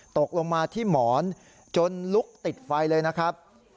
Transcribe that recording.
ตกลงมาที่หมอนจนลุกติดไฟเลยนะครับ